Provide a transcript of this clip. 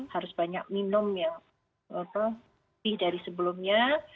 harus banyak minum yang lebih dari sebelumnya